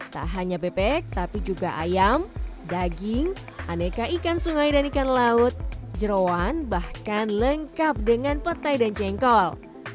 tak hanya bebek tapi juga ayam daging aneka ikan sungai dan ikan laut jerawan bahkan lengkap dengan petai dan jengkol